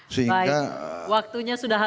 baik waktunya sudah habis